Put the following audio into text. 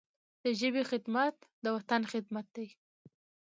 د ژبي خدمت، د وطن خدمت دی.